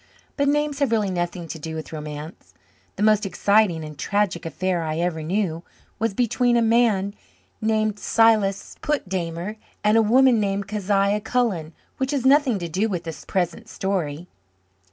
But names have really nothing to do with romance. The most exciting and tragic affair I ever knew was between a man named Silas Putdammer and a woman named Kezia Cullen which has nothing to do with the present story.